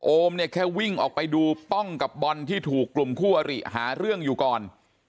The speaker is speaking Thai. เนี่ยแค่วิ่งออกไปดูป้องกับบอลที่ถูกกลุ่มคู่อริหาเรื่องอยู่ก่อน